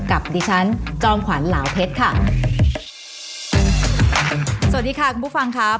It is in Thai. กับดิฉันจอมขวัญเหลาเพชรค่ะสวัสดีค่ะคุณผู้ฟังครับ